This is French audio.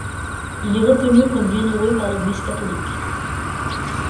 Il est reconnu comme bienheureux par l'Église catholique.